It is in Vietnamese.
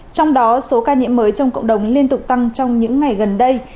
trong đó số ca nhiễm mới trong cộng đồng liên tục tăng trong những ngày gần đây